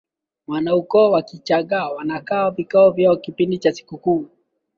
wanaukoo wa kichaga wanakaa vikao vyao kipindi cha sikukuu